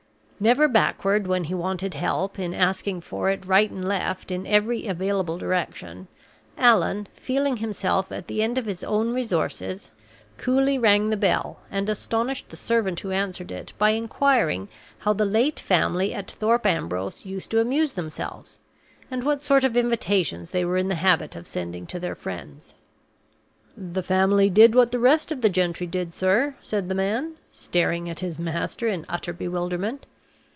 Never backward, when he wanted help, in asking for it right and left in every available direction, Allan, feeling himself at the end of his own resources, coolly rang the bell, and astonished the servant who answered it by inquiring how the late family at Thorpe Ambrose used to amuse themselves, and what sort of invitations they were in the habit of sending to their friends. "The family did what the rest of the gentry did, sir," said the man, staring at his master in utter bewilderment.